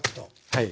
はい。